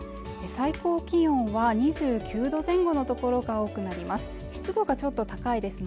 最高気温は２９度前後の所が多くなります